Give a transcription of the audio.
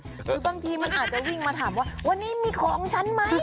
คือบางทีมันอาจจะวิ่งมาถามว่าวันนี้มีของฉันไหม